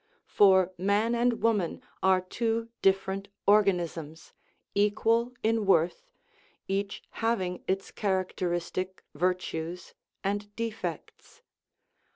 For man and woman are two differ ent organisms, equal in worth, each having its charac teristic virtues and defects.